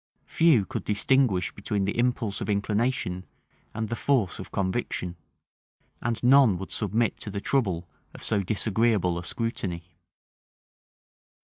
Few could distinguish between the impulse of inclination and the force of conviction; and none would submit to the trouble of so disagreeable a scrutiny.